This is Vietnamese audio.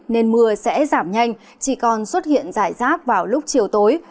nên mưa sẽ giảm nhanh chỉ còn xuất hiện rải rác vào lúc chiều tối